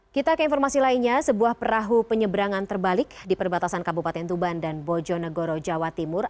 kita ke informasi lainnya sebuah perahu penyeberangan terbalik di perbatasan kabupaten tuban dan bojonegoro jawa timur